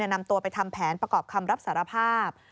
นำตัวไปทำแผนประกอบคำรับสารภาพ